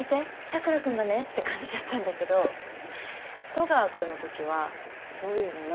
佐倉君がね！」って感じだったんだけど戸川君のときはそういうのないの。